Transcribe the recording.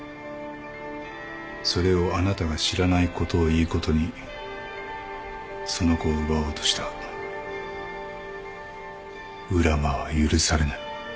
それをあなたが知らないことをいいことにその子を奪おうとした浦真は許されない。